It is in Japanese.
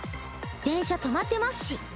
電車止まってますし。